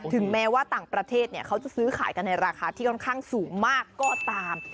ถึงแม้ว่าต่างประเทศเขาจะซื้อขายกันในราคาที่ค่อนข้างสูงมากก็ตาม